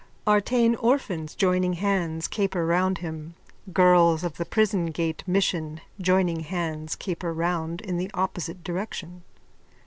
_Artane orphans, joining hands, caper round him. Girls of the Prison Gate Mission, joining hands, caper round in the opposite direction.)